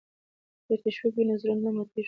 که تشویق وي نو زړه نه ماتیږي.